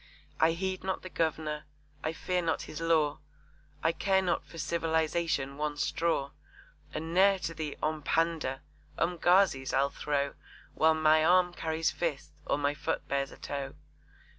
I heed not the Governor, I fear not his law, I care not for civilisation one straw, And ne'er to 'Ompanda' 'Umgazis' I'll throw While my arm carries fist, or my foot bears a toe!